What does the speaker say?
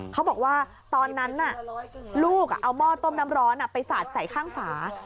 เขาบอกว่าตอนนั้นลูกเอาหม้อต้มน้ำร้อนไปสาดใส่ข้างฝา